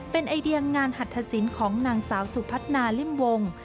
เป็นไอเดียงานหัตถสินของนางสาวสุพัฒนาริ่มวง